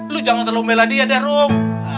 lu jangan terlalu meladi ya darum